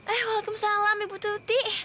eh walaikumsalam ibu tuti